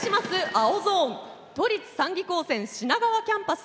青ゾーン都立産技高専品川キャンパス